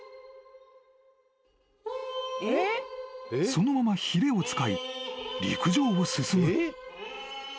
［そのままひれを使い陸上を進む］